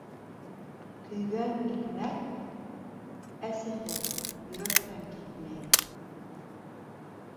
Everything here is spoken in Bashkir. Көйгән икмәк әсеһе йөрәктән китмәй.